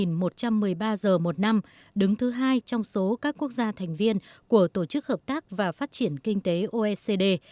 số giờ làm việc trung bình của người hàn quốc là hai một trăm một mươi ba giờ một năm đứng thứ hai trong số các quốc gia thành viên của tổ chức hợp tác và phát triển kinh tế oecd